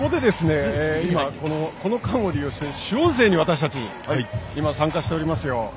今、この間を利用して主音声に参加しておりますよ。